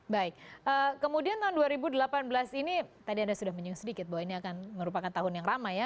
baik kemudian tahun dua ribu delapan belas ini tadi anda sudah menyinggung sedikit bahwa ini akan merupakan tahun yang ramai ya